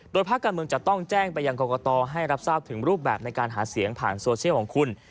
ภาคการเมืองจะต้องแจ้งไปยังกรกตให้รับทราบถึงรูปแบบในการหาเสียงผ่านโซเชียลของคุณ